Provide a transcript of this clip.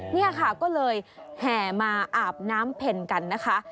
นี่ค่ะก็เลยแห่มาอาบน้ำเพ็ญกันนะคะ